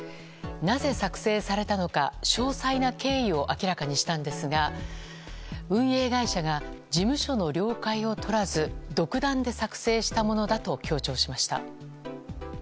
なぜ作成されたのか詳細な経緯を明らかにしたんですが運営会社が事務所の了解を取らず独断で作成したものだと強調しました。